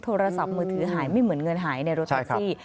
โทรศัพท์มือถือหายไม่เหมือนเงินหายในรถแท็กซี่